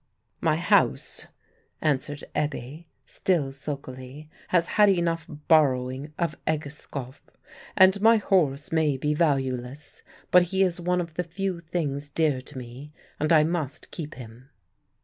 "My house," answered Ebbe, still sulkily, "has had enough borrowing of Egeskov; and my horse may be valueless, but he is one of the few things dear to me, and I must keep him."